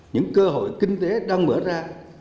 những cơ hội kinh tế đang mở ra